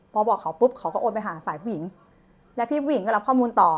พอบอกเขาปุ๊บเขาก็โอนไปหาสายผู้หญิงแล้วพี่ผู้หญิงก็รับข้อมูลต่อ